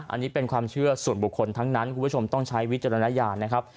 อันนี้เป็นความเชื่อส่วนบุคคลทั้งนั้นคุณผู้ชมต้องใช้วิจารณญาณนะครับ